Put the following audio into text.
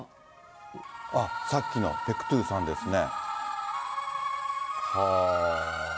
あっ、さっきのペクトゥサンですね。